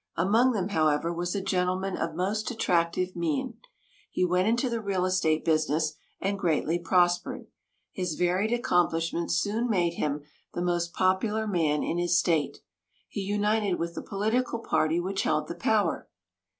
Among them, however, was a gentleman of most attractive mien. He went into the real estate business, and greatly prospered. His varied accomplishments soon made him the most popular man in his state. He united with the political party which held the power.